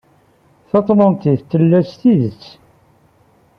Taṭlantit tella s tidet.